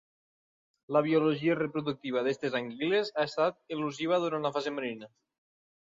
La biologia reproductiva d'aquestes anguiles ha estat elusiva durant la fase marina.